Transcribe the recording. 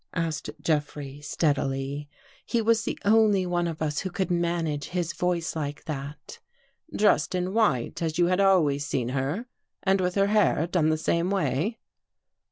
'* asked Jeffrey steadily. He was the only one of us who could manage his voice like that. " Dressed in white as you had always seen her — and with her hair done the same way?